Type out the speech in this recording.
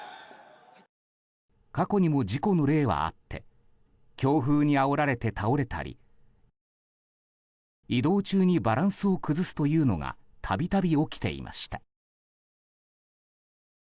過去にも事故の例はあって強風にあおられて倒れたり移動中にバランスを崩すというのが度々起きていました。